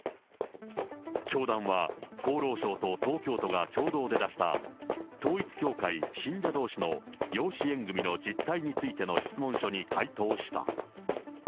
教団は、厚労省と東京都が共同で出した、統一教会信者どうしの養子縁組の実態についての質問書に回答した。